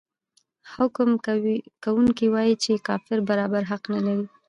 حکم کوونکی وايي چې کافر برابر حقوق نلري.